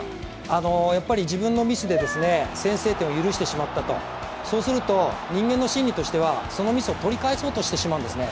やっぱり自分のミスで先制点を許してしまったと、そうすると人間の心理としてはそのミスを取り返そうとしてしまうんですね。